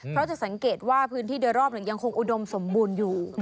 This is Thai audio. เพราะจะสังเกตว่าพื้นที่โดยรอบยังคงอุดมสมบูรณ์อยู่